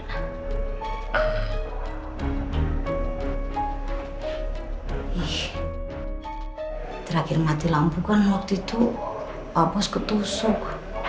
mati lampu sih karena bisa djen setia terakhir mati lampu kan waktu itu abos ketusuk